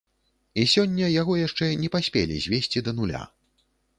І сёння яго яшчэ не паспелі звесці да нуля.